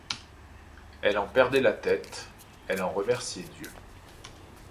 Elle en perdait la tête, elle en remerciait Dieu.